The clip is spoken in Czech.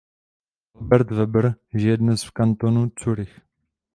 Albert Weber žije dnes v kantonu Curych.